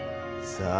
さあ！